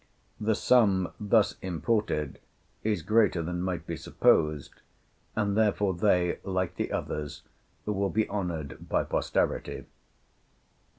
The sum thus imported is greater than might be supposed, and therefore they, like the others, will be honored by posterity.